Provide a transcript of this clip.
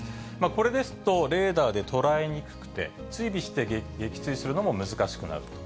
これですと、レーダーで捉えにくくて、追尾して撃墜するのも難しくなる。